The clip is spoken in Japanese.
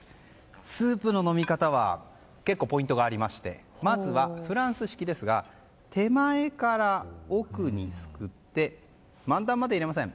スープの飲み方は結構ポイントがありましてまずは、フランス式ですが手前から奥にすくって満タンまで入れません。